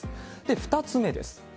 ２つ目です。